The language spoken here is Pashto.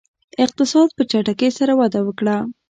اقتصاد په چټکۍ سره وده وکړه.